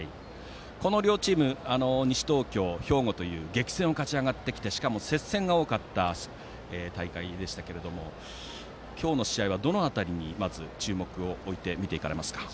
この両チーム西東京、兵庫という激戦区を勝ち上がってきてしかも接戦が多かった大会でしたが今日の試合はどの辺りにまず注目を置いて見ていかれますか。